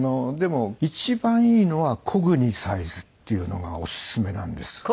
でも一番いいのはコグニサイズっていうのがオススメなんです。